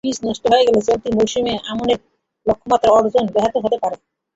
বীজ নষ্ট হয়ে গেলে চলতি মৌসুমে আমনের লক্ষ্যমাত্রা অর্জন ব্যাহত হতে পারে।